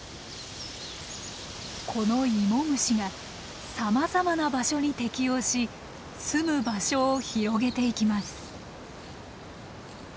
このイモムシがさまざまな場所に適応しすむ場所を広げていきます。